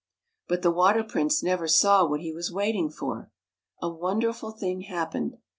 But the Water Prince never saw what he was waiting for. A wonderful thing happened.